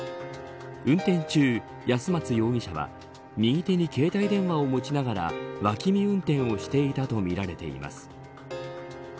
運転中、安松容疑者は右手に携帯電話を持ちながら脇見運転をしていたとみられています。